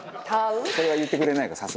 それは言ってくれないか